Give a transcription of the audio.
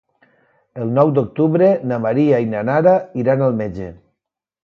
El nou d'octubre na Maria i na Nara iran al metge.